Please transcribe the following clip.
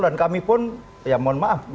dan kami pun ya mohon maaf